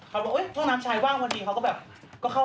เขาบอกว่าห้องน้ำชายว่างพอดีเขาก็แบบ